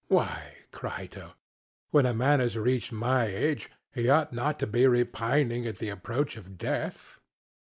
SOCRATES: Why, Crito, when a man has reached my age he ought not to be repining at the approach of death.